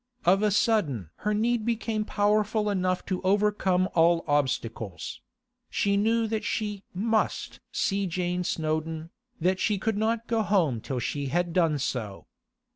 Of a sudden her need became powerful enough to overcome all obstacles; she knew that she must see Jane Snowdon, that she could not go home till she had done so.